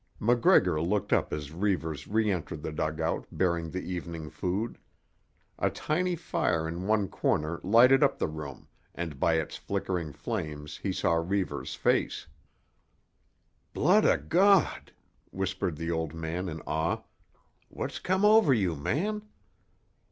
MacGregor looked up as Reivers re entered the dugout bearing the evening food. A tiny fire in one corner lighted up the room and by its flickering flames he saw Reivers' face. "Blood o' God!" whispered the old man in awe. "What's come over you, man?"